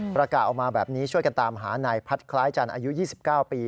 ประกาศออกมาแบบนี้ช่วยกันตามหานายพัฒน์คล้ายจันทร์อายุ๒๙ปี